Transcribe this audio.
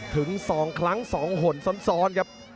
ถึง๒ครั้ง๒หนซ้อนครับ